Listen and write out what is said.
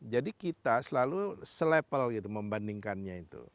jadi kita selalu se level gitu membandingkannya itu